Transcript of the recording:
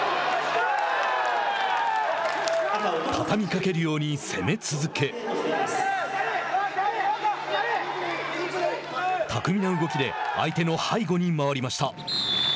畳みかけるように攻め続け巧みな動きで相手の背後に回りました。